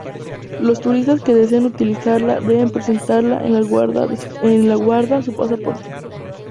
Los turistas que deseen utilizarlas deben presentar en la guarda su pasaporte.